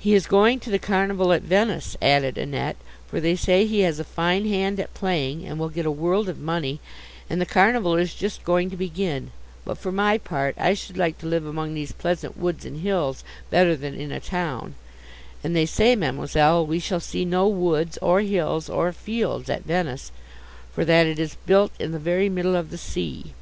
"He is going to the Carnival at Venice," added Annette, "for they say he has a fine hand at playing, and will get a world of money; and the Carnival is just going to begin: but for my part, I should like to live among these pleasant woods and hills, better than in a town; and they say Ma'amselle, we shall see no woods, or hills, or fields, at Venice, for that it is built in the very middle of the sea."